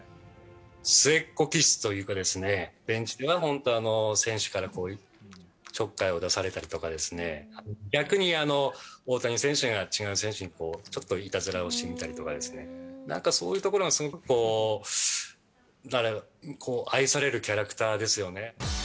末っ子気質というか、ベンチでは選手からちょっかいを出されたり、逆に大谷選手が違う選手にちょっといたずらをしてみたりとかですね、なんかそういったところがすごく愛されるキャラクターですよね。